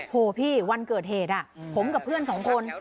โหพี่วันเกิดเหตุผมกับเพื่อนสองคน